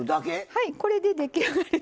はいこれで出来上がり。